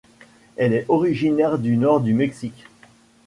Elle est originaire du nord du Mexique.